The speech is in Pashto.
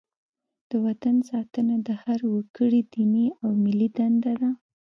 د وطن ساتنه د هر وګړي دیني او ملي دنده ده.